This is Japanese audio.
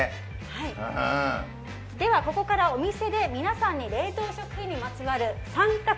ではここからお店で、皆さんに冷凍食品にまつわる３択